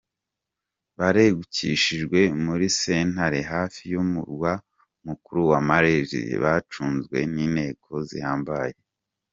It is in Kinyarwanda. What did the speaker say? Barengukishijwe muri sentare hafi y'umurwa mukuru wa Malaysia, bacunzwe n'inteko zihambaye.